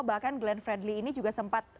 bahkan glenn fredly ini juga sempat